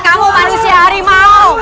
keluar kamu manusia harimau